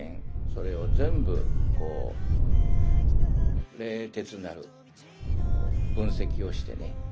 それを全部こう冷徹なる分析をしてね